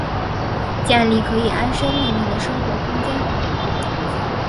建立可以安身立命的生活空间